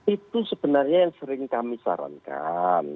itu sebenarnya yang sering kami sarankan